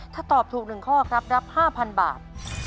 ถ้าตอบถูก๑ข้อครับรับ๕๐๐บาท